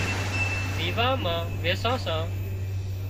ويوان مان ويسان سان